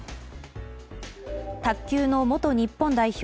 卓球の元日本代表